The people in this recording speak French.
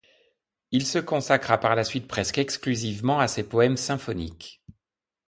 Il se consacra par la suite presque exclusivement à ses poèmes symphoniques.